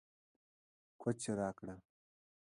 کوچ راکړه